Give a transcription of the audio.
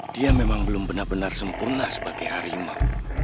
dia memang belum benar benar sempurna sebagai harimau